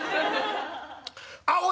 あっおい